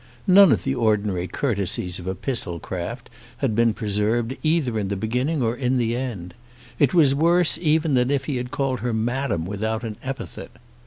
None of the ordinary courtesies of epistle craft had been preserved either in the beginning or in the end. It was worse even than if he had called her Madam without an epithet.